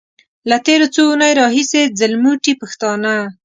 له تېرو څو اونيو راهيسې ځلموټي پښتانه.